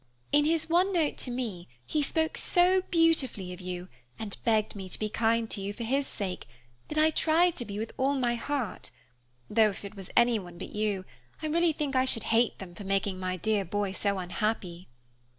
In his one note to me, he spoke so beautifully of you, and begged me to be kind to you for his sake, that I try to be with all my heart, though if it was anyone but you, I really think I should hate them for making my dear boy so unhappy."